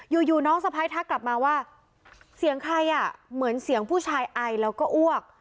อยู่อยู่น้องสะพ้ายทักกลับมาว่าเสียงใครอ่ะเหมือนเสียงผู้ชายไอแล้วก็อ้วก